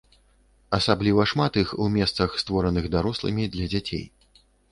Асабліва шмат іх у месцах, створаных дарослымі для дзяцей.